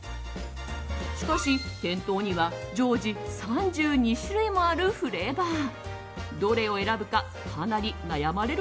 しかし、店頭には常時３２種類もあるフレーバー。